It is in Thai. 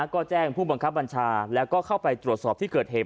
ก็แจ้งผู้บังคับบัญชาแล้วก็เข้าไปตรวจสอบที่เกิดเหตุ